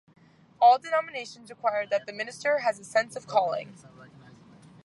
All denominations require that the minister has a sense of calling.